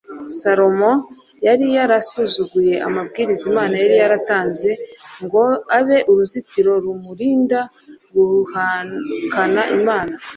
salomo yari yarasuzuguye amabwiriza imana yari yaratanze ngo abe uruzitiro rumurinda guhakana imana